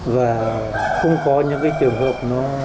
và không có những trường hợp